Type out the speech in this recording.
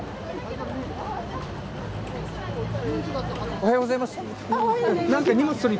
おはようございます。